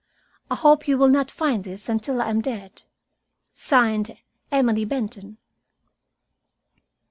I hope you will not find this until I am dead. "(Signed) EMILY BENTON."